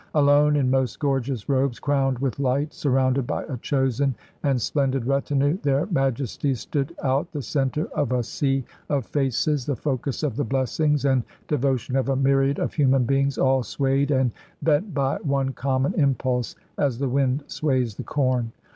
Alone, in most gorgeous robes, crowned with light, surrounded by a chosen and splendid retinue, Their Majesties stood out, the center of a sea of faces, the focus of the blessings and devotion of a myriad of human beings, all swayed and bent by one common impulse, as the wind sways the corn.